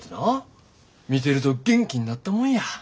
見てると元気になったもんや。